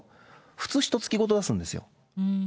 普通ひとつきごとに出すんですよ。